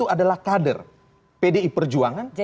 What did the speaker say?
adalah kader pdi perjuangan